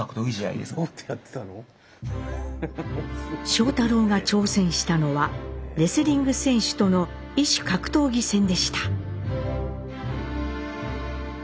庄太郎が挑戦したのはレスリング選手との異種格闘技戦でした。